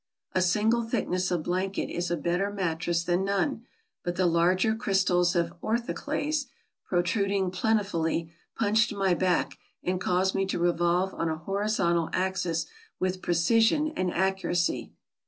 A single thickness of blanket is a better mattress than none, but the larger crys tals of orthoclase, protruding plentifully, punched my back and caused me to revolve on a horizontal axis with precision and accuracy.